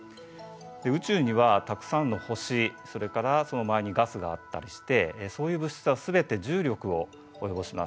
宇宙にはたくさんの星それからその周りにガスがあったりしてそういう物質はすべて重力を及ぼします。